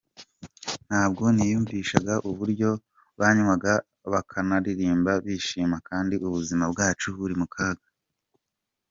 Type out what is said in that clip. Ntabwo niyumvishaga uburyo banywaga bakanaririmba bishima kandi ubuzima bwacu buri mu kaga.